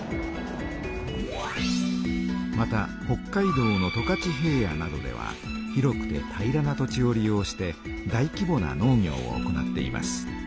また北海道の十勝平野などでは広くて平らな土地を利用して大きぼな農業を行っています。